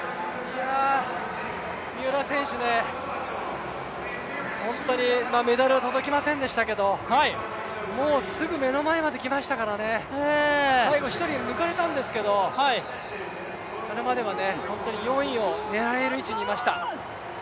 三浦選手、本当に、メダル届きませんでしたけど、もうすぐ目の前まで来ましたからね、最後１人抜かれたんですけどそれまでは本当に４位を狙える位置にいました。